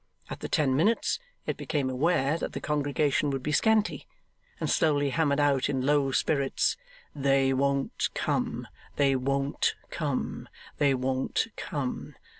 At the ten minutes, it became aware that the congregation would be scanty, and slowly hammered out in low spirits, They won't come, they won't come, they won't come!